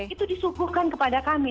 itu disuguhkan kepada kami